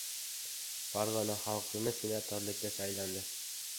Farg‘ona hokimi senatorlikka saylandi